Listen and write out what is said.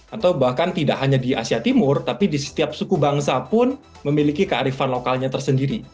atau bahkan tidak hanya di asia timur tapi di setiap suku bangsa pun memiliki kearifan lokalnya tersendiri